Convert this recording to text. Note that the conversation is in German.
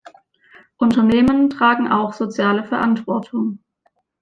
Unternehmen tragen auch soziale Verantwortung.